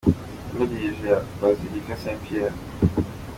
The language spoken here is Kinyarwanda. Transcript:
Umurabyo hejuru ya Bazilica St Pierre.